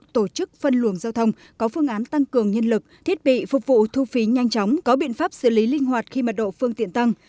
tổ chức phân luồng giao thông có phương án tăng cường nhân lực thiết bị phục vụ thu phí nhanh chóng có biện pháp xử lý linh hoạt khi mật độ phương tiện tăng